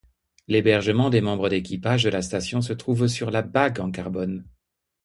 L'hébergement des membres d'équipage de la station se trouve sur la bague en carbone.